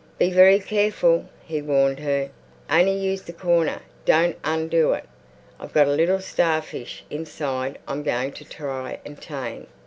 "Be very careful," he warned her. "Only use that corner. Don't undo it. I've got a little starfish inside I'm going to try and tame."